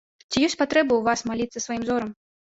Ці ёсць патрэба ў вас маліцца сваім зорам?